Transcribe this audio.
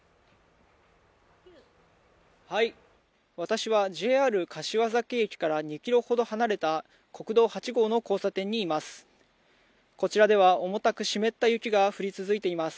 私はＪＲ柏崎駅から２ｋｍほど離れた国道８号の交差点にいます。